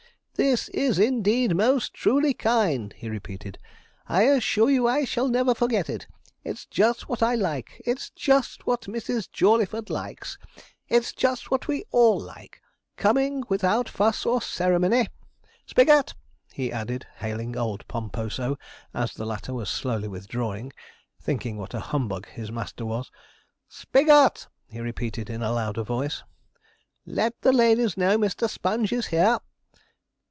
'This is, indeed, most truly kind,' he repeated; 'I assure you I shall never forget it. It's just what I like it's just what Mrs. Jawleyford likes it's just what we all like coming without fuss or ceremony. Spigot!' he added, hailing old Pomposo as the latter was slowly withdrawing, thinking what a humbug his master was 'Spigot!' he repeated in a louder voice; 'let the ladies know Mr. Sponge is here.